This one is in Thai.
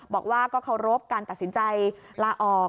บอกว่าก็เคารพการตัดสินใจลาออก